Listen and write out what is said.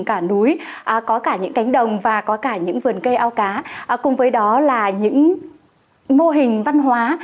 cả núi có cả những cánh đồng và có cả những vườn cây ao cá cùng với đó là những mô hình văn hóa